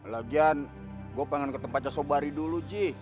lagian gue pengen ke tempatnya sobari dulu ji